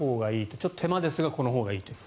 ちょっと手間ですがこのほうがいいと。